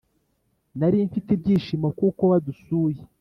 Narimfite ibyishimo kuko wadusuye